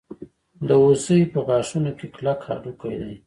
د هوسۍ په غاښونو کې کلک هډوکی دی.